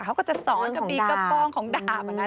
เขาก็จะสอนกระบีกระป้องของดาบอะนะ